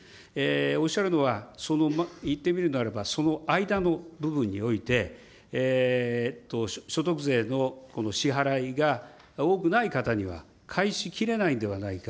おっしゃるのは、その、いってみるならば、その間の部分において、所得税の支払いが多くない方には、返しきれないんではないか。